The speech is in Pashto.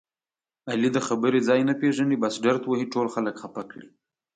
علي د خبرې ځای نه پېژني بس ډرت وهي ټول خلک خپه کړي.